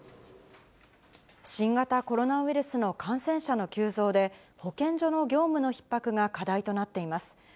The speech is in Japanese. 新型コロナウイルスの感染者の急増で、保健所の業務のひっ迫が課題となっています。